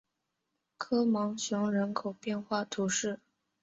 科芒雄人口变化图示